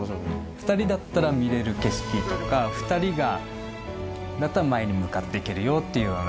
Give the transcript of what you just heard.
２人だったら見れる景色とか２人だったら前に向かって行けるよっていうような。